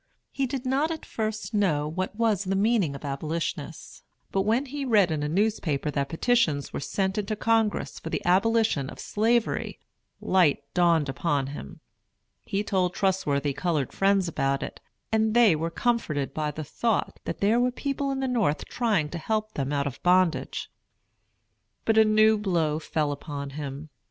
He did not at first know what was the meaning of "abolitionists"; but when he read in a newspaper that petitions were sent into Congress for the abolition of Slavery, light dawned upon him. He told trustworthy colored friends about it, and they were comforted by the thought that there were people at the North trying to help them out of bondage. But a new blow fell upon him.